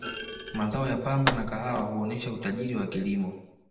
mazao ya pamba na kahawa huonesha utajiri wa kilimo